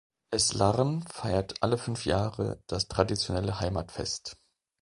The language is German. Eslarn feiert alle fünf Jahre das traditionelle Heimatfest.